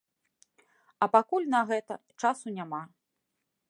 А пакуль на гэта часу няма.